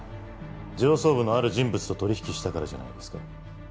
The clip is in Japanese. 上層部のある人物と取引したからじゃないですか？